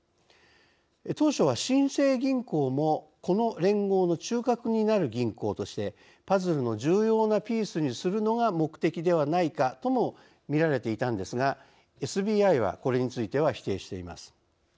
当初は、新生銀行もこの連合の中核になる銀行としてパズルの重要なピースにするのが目的ではないか、とも見られていたんですがＳＢＩはこれについては否定しています。